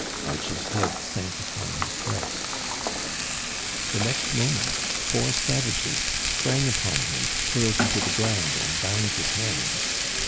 Archie's head sank upon his breast. The next mo ment four savages sprang upon him, hurled him to the ground, and bound his hands.